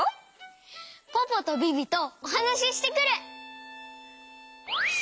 ポポとビビとおはなししてくる！